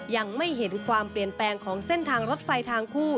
ยังไม่เห็นความเปลี่ยนแปลงของเส้นทางรถไฟทางคู่